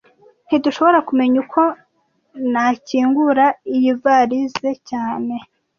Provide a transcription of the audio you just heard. Ntidushobora kumenya uko nakingura iyivalisi cyane